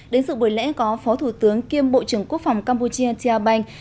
đến sự buổi lễ có phó thủ tướng kiêm bộ trưởng quốc phòng campuchia tia banh